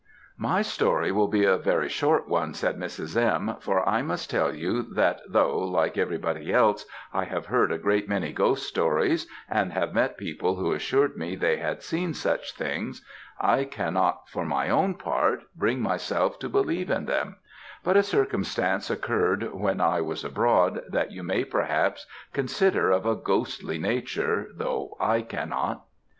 "My story will be a very short one," said Mrs. M.; "for I must tell you that though, like every body else, I have heard a great many ghost stories, and have met people who assured me they had seen such things, I cannot, for my own part, bring myself to believe in them; but a circumstance occurred when I was abroad, that you may perhaps consider of a ghostly nature, though I cannot.